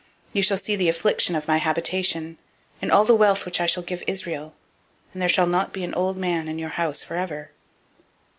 002:032 You shall see the affliction of [my] habitation, in all the wealth which [God] shall give Israel; and there shall not be an old man in your house forever.